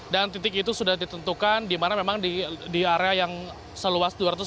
dan titik itu sudah ditentukan di mana memang di area yang seluas